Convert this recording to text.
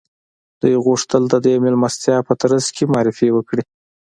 دوی غوښتل د دې مېلمستیا په ترڅ کې معرفي وکړي